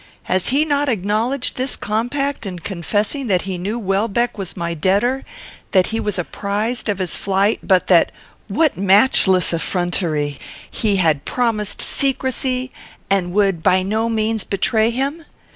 Has he not acknowledged this compact in confessing that he knew Welbeck was my debtor; that he was apprized of his flight, but that (what matchless effrontery!) he had promised secrecy, and would, by no means, betray him?